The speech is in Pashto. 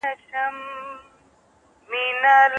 هره شېبه د تمرکز ارزښت لري.